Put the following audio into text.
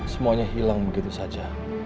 semuanya hilang begitu saja